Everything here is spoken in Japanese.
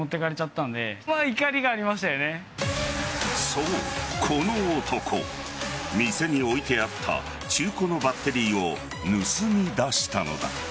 そう、この男店に置いてあった中古のバッテリーを盗み出したのだ。